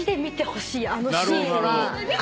「あのシーンは」